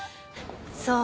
そう。